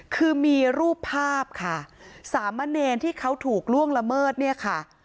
คือมีรูปภาพค่ะสามะเนรที่เขาถูกล่วงละเมิดเนี่ยค่ะ